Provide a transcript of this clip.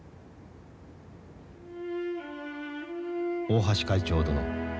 「大橋会長殿。